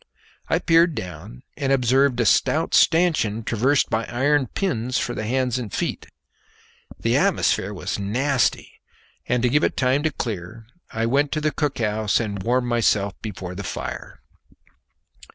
I peered down and observed a stout stanchion traversed by iron pins for the hands and feet. The atmosphere was nasty, and to give it time to clear I went to the cook house and warmed myself before the fire.